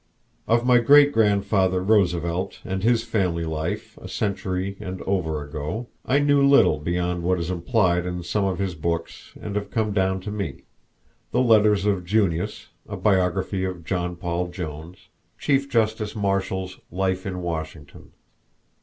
Of my great grandfather Roosevelt and his family life a century and over ago I know little beyond what is implied in some of his books that have come down to me the Letters of Junius, a biography of John Paul Jones, Chief Justice Marshall's "Life of Washington."